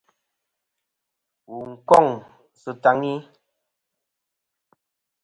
Wù n-kôŋ sɨ taŋi.